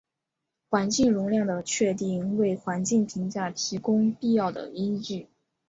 环境容量的确定为环境评价提供必要的依据。